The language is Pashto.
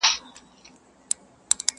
زموږ پر مځکه په هوا کي دښمنان دي.!